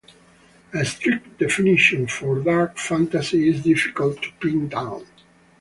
A strict definition for dark fantasy is difficult to pin down.